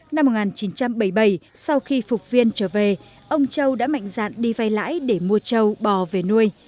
năm một nghìn chín trăm bảy mươi bảy sau khi phục viên trở về ông châu đã mạnh dạn đi vay lãi để mua trâu bò về nuôi